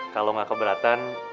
kalo gak keberatan